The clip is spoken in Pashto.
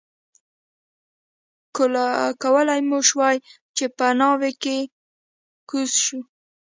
کولای مو شوای چې په ناوې کې کوز شو.